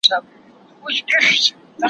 لاره ورکه سوه د کلي له وګړو